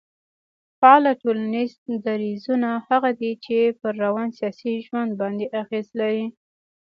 فعاله ټولنيز درځونه هغه دي چي پر روان سياسي ژوند باندي اغېز لري